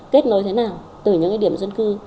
kết nối thế nào từ những điểm dân cư